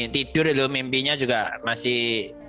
tidur itu mimpinya juga masih